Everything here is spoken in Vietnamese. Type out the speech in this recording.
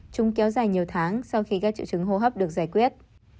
chúng kéo dài nhiều tháng sau khi các triệu chứng hô hấp được giải quyết